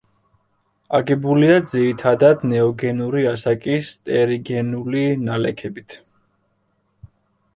აგებულია ძირითადად ნეოგენური ასაკის ტერიგენული ნალექებით.